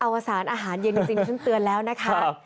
วสารอาหารเย็นจริงฉันเตือนแล้วนะคะ